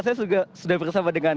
saya sudah bersama dengan